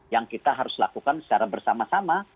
yang kita harus lakukan secara bersama sama